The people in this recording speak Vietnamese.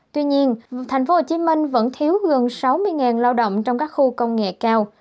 tuy nhiên tp hcm vẫn thiếu gần sáu mươi lao động trong các khu công nghệ cao